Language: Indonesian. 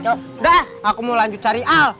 udah aku mau lanjut cari a